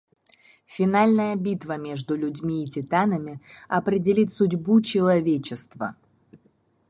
Финальная битва между людьми и титанами определит судьбу человечества.